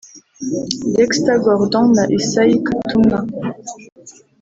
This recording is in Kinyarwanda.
Dexter Gordon na Isaiah Katumwa